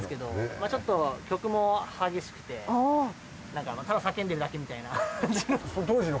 まあちょっと曲も激しくてなんかただ叫んでるだけみたいな感じの。